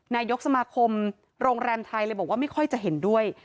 นายกสมาคมโรงแรมไทยเลยบอกว่าไม่ค่อยจะเห็นด้วย